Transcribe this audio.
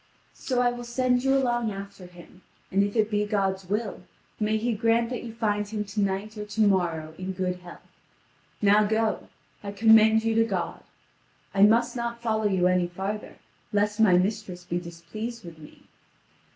So I will send you along after him, and if it be God's will, may He grant that you find him to night or to morrow in good health. Now go: I commend you to God. I must not follow you any farther, lest my mistress be displeased with me."